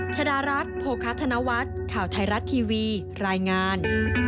ชดารัฐโภคธนวัฒน์ข่าวไทยรัฐทีวีรายงาน